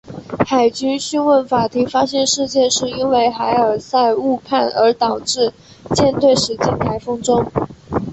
海军讯问法庭发现事件是因为海尔赛误判而导致舰队驶进台风中。